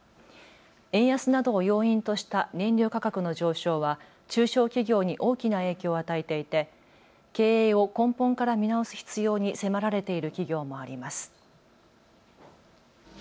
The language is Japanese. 円安などを要因とした燃料価格の上昇は中小企業に大きな影響を与えていて経営を根本から見直す必要に迫られている企業もあります。